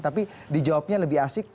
tapi dijawabnya lebih asik